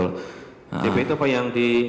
dp itu apa yang di